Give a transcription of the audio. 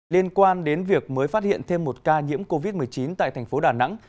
liên quan đến việc mới phát hiện thêm một ca nhiễm covid một mươi chín tại thành phố đà nẵng